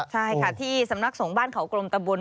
ใช่ค่ะที่สำนักสงฆ์บ้านเขากรมตะบน